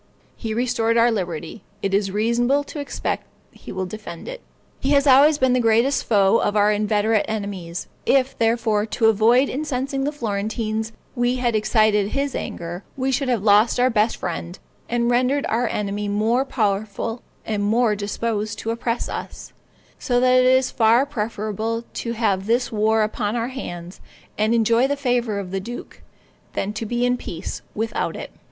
He restored our liberty; it is reasonable to expect he will defend it. He has always been the greatest foe of our inveterate enemies; if, therefore, to avoid incensing the Florentines we had excited his anger, we should have lost our best friend, and rendered our enemy more powerful and more disposed to oppress us; so that it is far preferable to have this war upon our hands, and enjoy the favor of the duke, than to be in peace without it.